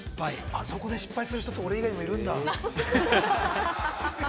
あそこで失敗する人、俺以外にもいるんだ。